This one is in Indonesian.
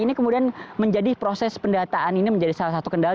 ini kemudian menjadi proses pendataan ini menjadi salah satu kendala